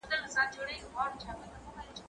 زه اجازه لرم چي خواړه ورکړم؟!